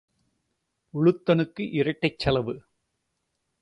உலுத்தனுக்கு இரட்டைச் செலவு.